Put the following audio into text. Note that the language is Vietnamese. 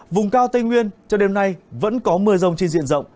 vùng cao tây nguyên cho đêm nay vẫn có mưa rông trên diện rộng